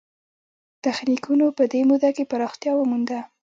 تخنیکونو په دې موده کې پراختیا ومونده.